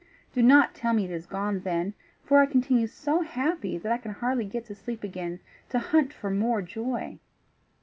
Do not tell me it is gone then, for I continue so happy that I can hardly get to sleep again to hunt for more joy.